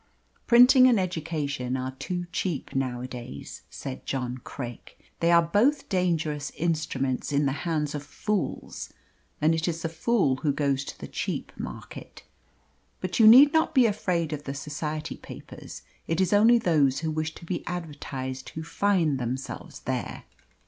"Printing and education are too cheap nowadays," said John Craik. "They are both dangerous instruments in the hands of fools, and it is the fool who goes to the cheap market. But you need not be afraid of the Society papers. It is only those who wish to be advertised who find themselves there."